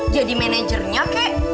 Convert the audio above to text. jadi manajernya kayak